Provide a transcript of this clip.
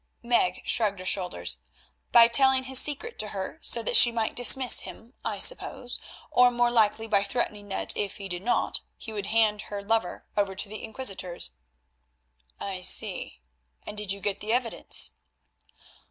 Meg shrugged her shoulders. "By telling his secret to her so that she might dismiss him, I suppose, or more likely by threatening that, if she did not, he would hand her lover over to the Inquisitors." "I see. And did you get the evidence?"